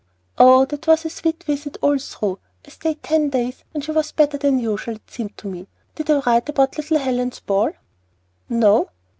"Oh, that was a sweet visit all through. I stayed ten days, and she was better than usual, it seemed to me. Did I write about little Helen's ball?" "No."